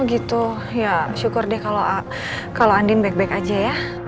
oh gitu ya syukur deh kalau andien back back aja ya